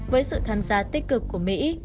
với sự tham gia tích cực của mỹ